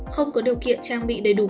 không có điều kiện trang bị đầy đủ